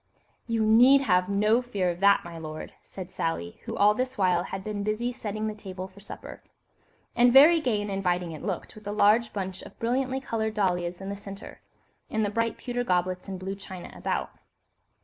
'" "You need have no fear of that, my lord," said Sally, who all this while had been busy setting the table for supper. And very gay and inviting it looked, with a large bunch of brilliantly coloured dahlias in the centre, and the bright pewter goblets and blue china about.